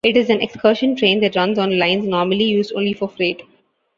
It is an excursion train that runs on lines normally used only for freight.